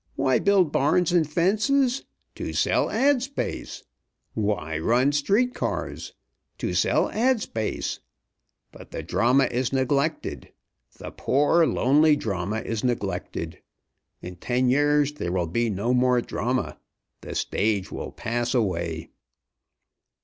Why build barns and fences? To sell ad. space! Why run street cars? To sell ad. space! But the drama is neglected. The poor, lonely drama is neglected. In ten years there will be no more drama. The stage will pass away."